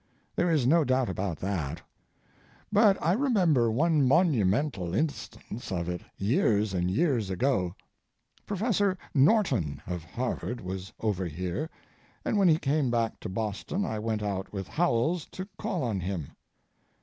There is no doubt about that. But I remember one monumental instance of it years and years ago. Professor Norton, of Harvard, was over here, and when he came back to Boston I went out with Howells to call on him.